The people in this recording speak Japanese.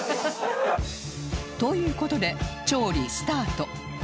という事で調理スタート